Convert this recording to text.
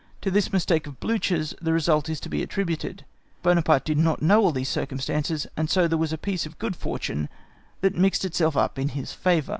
To this mistake of Blücher's the result is to be attributed. Buonaparte did not know all these circumstances, and so there was a piece of good fortune that mixed itself up in his favour.